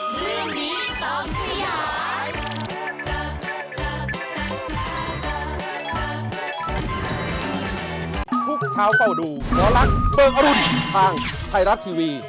เชื่อมูลทุกชาวเศร้าดูหลักเบิกอรุณทางไทรัตว์ทีวี